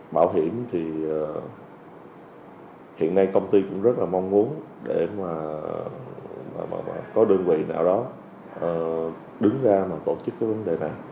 bảo hiểm thì hiện nay công ty cũng rất là mong muốn để mà có đơn vị nào đó đứng ra mà tổ chức cái vấn đề này